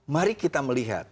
mari kita melihat